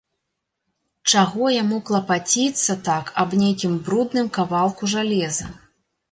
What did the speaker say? Чаго яму клапаціцца так аб нейкім брудным кавалку жалеза?